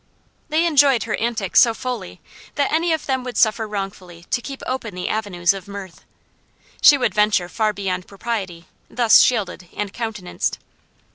They enjoyed her antics so fully that any of them would suffer wrongfully to keep open the avenues of mirth. She would venture far beyond propriety, thus shielded and countenanced.